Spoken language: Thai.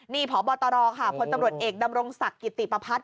นี่พบตรค่ะพลตำรวจเอกดำรงศักดิ์กิติประพัฒน